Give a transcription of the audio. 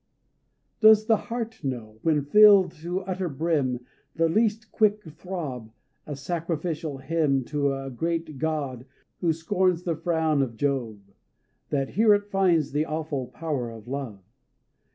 Does the heart know, when filled to utter brim, The least quick throb, a sacrificial hymn To a great god who scorns the frown of Jove That here it finds the awful power of love?